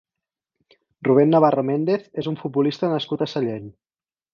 Rubén Navarro Méndez és un futbolista nascut a Sallent.